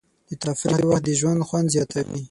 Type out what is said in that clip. د تفریح وخت د ژوند خوند زیاتوي.